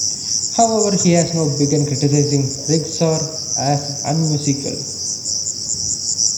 However, he has now begun criticizing rigsar as unmusical.